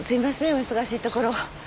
お忙しいところ。